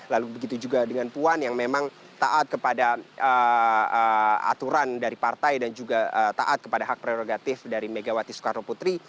lalu begitu juga dengan puan yang memang taat kepada aturan dari partai dan juga taat kepada hak prerogatif dari megawati soekarno putri